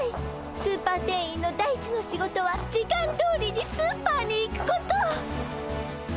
スーパー店員の第一の仕事は時間どおりにスーパーに行くこと。